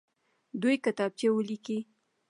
دوې کتابچې ولیکئ.